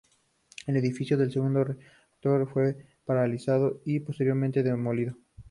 El edificio del segundo reactor fue paralizado y posteriormente demolido.